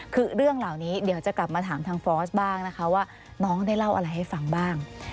คือเรื่องเหล่านี้เดี๋ยวจะกลับมาถามทางฟอสบ้างนะคะว่าน้องได้เล่าอะไรให้ฟังบ้าง